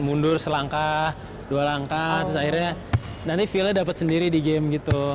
ya mundur selangkah dua langkah terus akhirnya nanti feelnya dapet sendiri di game gitu